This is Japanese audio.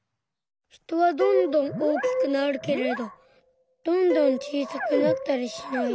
人はどんどん大きくなるけれどどんどん小さくなったりしない。